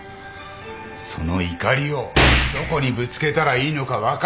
その怒りをどこにぶつけたらいいのか分からないんじゃないのか！